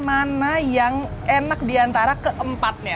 mana yang enak diantara keempatnya